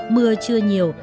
mưa chưa nhiều